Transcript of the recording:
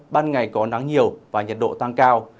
ban ngày có nắng nhiều và nhiệt độ tăng cao